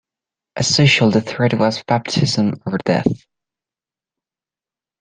As usual the threat was baptism or death.